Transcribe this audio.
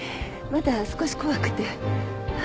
まだ少し怖くて。